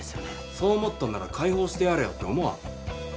そう思っとんなら解放してやれよって思わん？